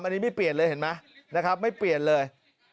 อันนี้ไม่เปลี่ยนเลยเห็นไหมนะครับไม่เปลี่ยนเลย